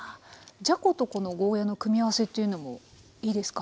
じゃことこのゴーヤーの組み合わせっていうのもいいですか。